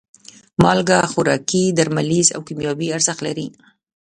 مالګه خوراکي، درملیز او کیمیاوي ارزښت لري.